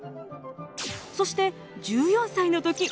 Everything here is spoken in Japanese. そして１４歳の時。